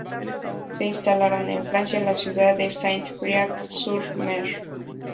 Se instalaron en Francia, en la ciudad de Saint-Briac-sur-Mer.